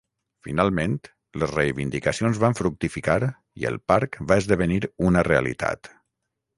Finalment les reivindicacions van fructificar i el parc va esdevenir una realitat.